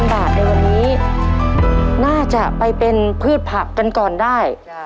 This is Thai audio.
บาทในวันนี้น่าจะไปเป็นพืชผักกันก่อนได้